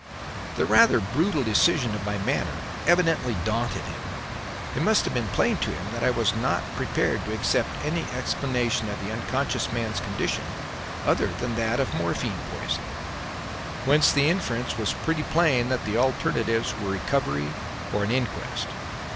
The rather brutal decision of my manner evidently daunted him. It must have been plain to him that I was not prepared to accept any explanation of the unconscious man's condition other than that of morphine poisoning; whence the inference was pretty plain that the alternatives were recovery or an inquest.